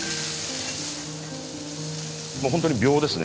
もう本当に秒ですね。